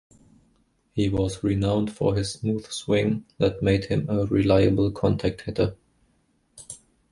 He was renowned for his smooth swing that made him a reliable "contact" hitter.